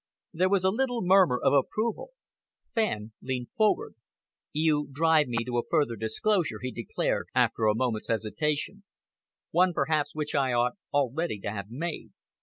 There was a little murmur of approval. Fenn leaned forward. "You drive me to a further disclosure," he declared, after a moment's hesitation, "one, perhaps, which I ought already to have made.